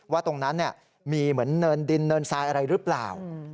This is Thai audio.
ว่าตรงนั้นมีเหมือนเนินดินเนินทรายอะไรหรือเปล่า